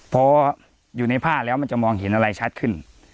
พออยู่ในผ้าแล้วมันจะมองเห็นอะไรชัดขึ้น